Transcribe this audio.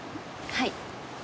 はい。